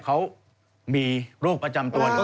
เขามีรูปประจำตัวหนึ่ง